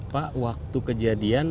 pak waktu kejadian